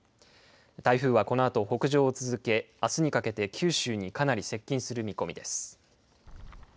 台風はこのあと北上を続けあすにかけて九州にかなり接近する見込みです。